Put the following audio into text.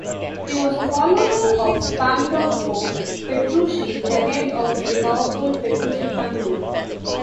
He was a follower of Pandolfo Petrucci, the head of the powerful Petrucci family.